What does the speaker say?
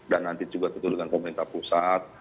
dan nanti juga keturunan pemerintah pusat